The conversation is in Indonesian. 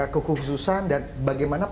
kekhususan dan bagaimana